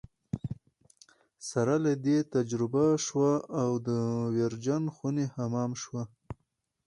سره له دې تجزیه شوه او د ویرجن خوني حمام شوه.